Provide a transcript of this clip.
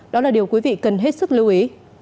đó là điều quý vị cần hết sức lưu ý